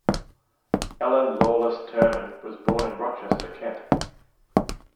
Ellen Lawless Ternan was born in Rochester, Kent.